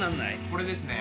これですね。